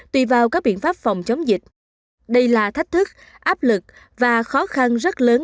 tùy vào các biện pháp phòng chống dịch đây là thách thức áp lực và khó khăn rất lớn